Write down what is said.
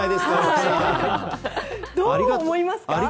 どう思いますか？